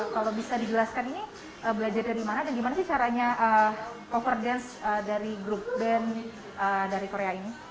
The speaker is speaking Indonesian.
kalau bisa dijelaskan ini belajar dari mana dan gimana sih caranya over dance dari grup band dari korea ini